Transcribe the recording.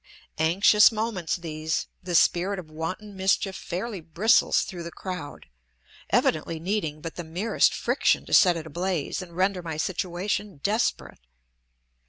Anxious moments these; the spirit of wanton mischief fairly bristles through the crowd, evidently needing but the merest friction to set it ablaze and render my situation desperate.